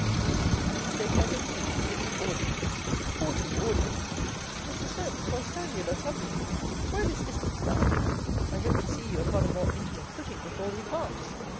sitting in state like a queen, giving audience! haughty audience! Mr. Solmes, why stand you thus humbly? Why this distance, man? I hope to see you upon a more intimate footing before we part.